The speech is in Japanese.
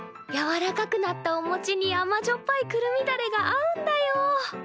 やわらかくなったおもちに甘じょっぱいくるみだれが合うんだよ。